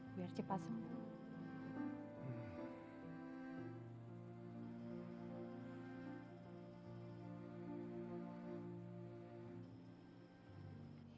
biar cepat sembuh